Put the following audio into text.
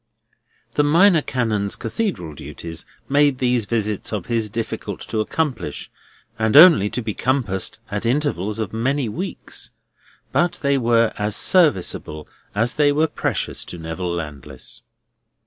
The Minor Canon's Cathedral duties made these visits of his difficult to accomplish, and only to be compassed at intervals of many weeks. But they were as serviceable as they were precious to Neville Landless.